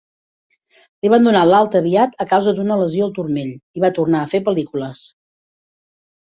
Li van donar l'alta aviat a causa d'una lesió al turmell i va tornar a fer pel·lícules.